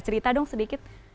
cerita dong sedikit